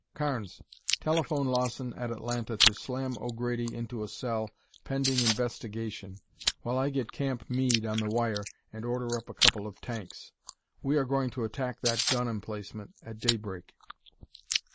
Carnes, telephone Lawson at Atlanta to slam O'Grady into a cell pending investigation while I get Camp Meade on the wire and order up a couple of tanks. We are going to attack that gun emplacement at daybreak."